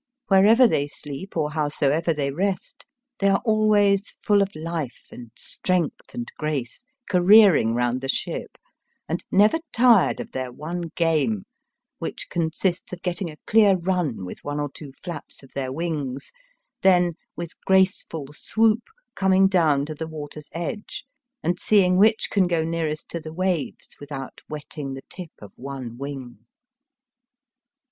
Wherever they sleep or howsoever they rest, they are always full of life and strength and grace, careering round the ship, and never tired of their one game, which consists of getting a clear run with one or two flaps of their wings, then with graceful swoop coming down to the water's edge and seeing which can go nearest to the waves without wetting the tip of one wing.